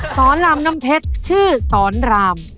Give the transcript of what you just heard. สอนรามน้ำเพชรชื่อสอนราม